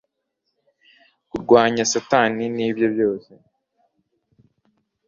kurwanya satani nibye byose